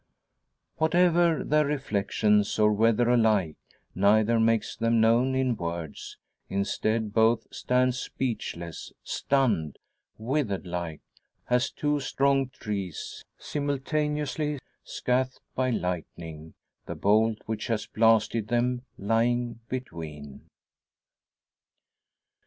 Whatever their reflections, or whether alike, neither makes them known in words. Instead, both stand speechless, stunned withered like, as two strong trees simultaneously scathed by lightning the bolt which has blasted them lying between!